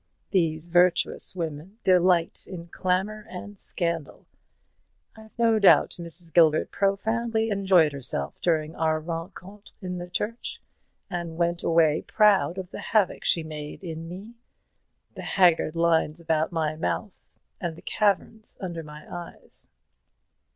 These virtuous women delight in clamour and scandal. I've no doubt Mrs. Gilbert profoundly enjoyed herself during our rencontre in the church, and went away proud of the havoc she had made in me the haggard lines about my mouth, and the caverns under my eyes."